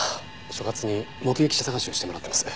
所轄に目撃者捜しをしてもらってます。